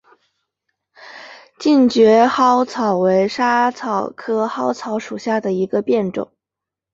近蕨嵩草为莎草科嵩草属下的一个变种。